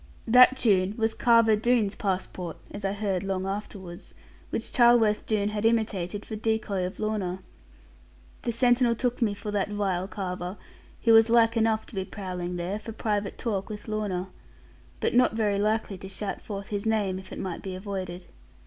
That tune was Carver Doone's passport (as I heard long afterwards), which Charleworth Doone had imitated, for decoy of Lorna. The sentinel took me for that vile Carver; who was like enough to be prowling there, for private talk with Lorna; but not very likely to shout forth his name, if it might be avoided.